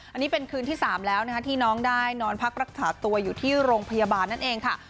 อันนี้เป็นคืนที่๓แล้วนะคะที่น้องได้นอนพักรักษาตัวอยู่ที่โรงพยาบาลนั่นเองค่ะ